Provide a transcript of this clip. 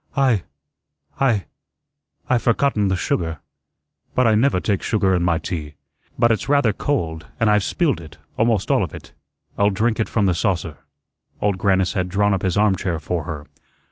"I I I've forgotten the sugar." "But I never take sugar in my tea." "But it's rather cold, and I've spilled it almost all of it." "I'll drink it from the saucer." Old Grannis had drawn up his armchair for her.